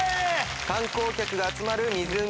観光客が集まる湖。